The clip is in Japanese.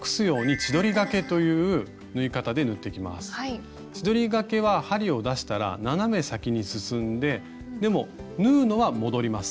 千鳥がけは針を出したら斜め先に進んででも縫うのは戻ります。